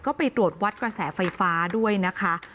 ก็ไปตรวจวัดกระแสไฟฟ้าด้วยนะคะ